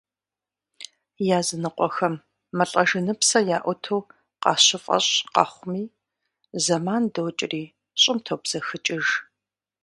Языныкъуэхэм мылӀэжыныпсэ яӀуту къащыфӀэщӀ къэхъуми, зэман докӀри, щӀым тобзэхыкӀыж.